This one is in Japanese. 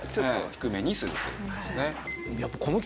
低めにするという事ですね。